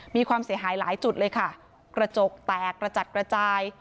มีความเสียหายหลายจุดเลยค่ะกระจกแตกกระจัดกระจาย